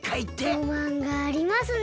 ロマンがありますね。